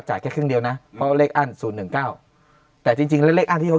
จ่ายแค่ครึ่งเดียวนะเพราะเลขอั้น๐๑๙แต่จริงเลขอั้นที่เขา